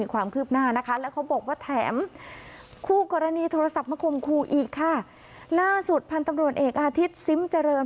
คู่กรณีโทรศัพท์มะคมคู่อีกค่ะหน้าสุดพันธ์ตำรวจเอกอาทิตย์ซิมเจริญ